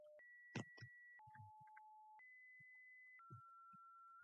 It's not guilt or innocence.